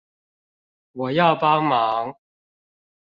我要幫忙